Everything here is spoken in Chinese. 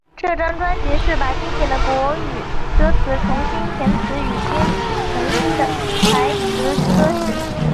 这张专辑是把经典的国语歌曲重新填词与编曲成新的台语歌曲。